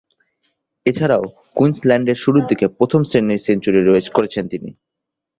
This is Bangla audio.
এছাড়াও, কুইন্সল্যান্ডের শুরুরদিকের প্রথম-শ্রেণীর সেঞ্চুরি করেছেন তিনি।